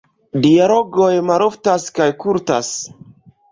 Dialogoj maloftas kaj kurtas.